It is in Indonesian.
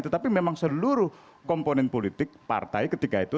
tetapi memang seluruh komponen politik partai ketika itu